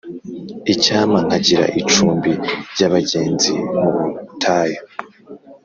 Icyampa nkagira icumbi ry abagenzi mu butayu